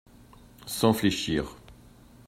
Sans fléchir